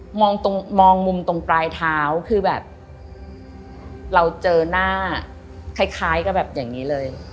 มองตรงมองมุมตรงปลายเท้าคือแบบเราเจอหน้าคล้ายกับแบบอย่างนี้เลย